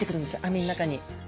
網の中に。